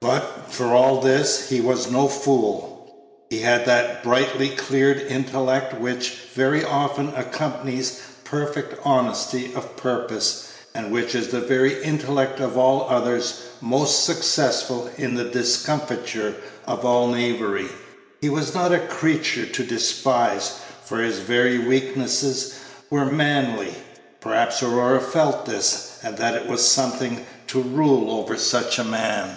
But, for all this, he was no fool; he had that brightly clear intellect which very often accompanies perfect honesty of purpose, and which is the very intellect of all others most successful in the discomfiture of all knavery. He was not a creature to despise, for his very weaknesses were manly. Perhaps Aurora felt this, and that it was something to rule over such a man.